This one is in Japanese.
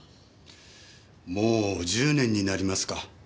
もう１０年になりますか。